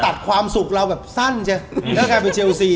ตัดความสุขเราบอกสั้นเอากันเป็นเชลซี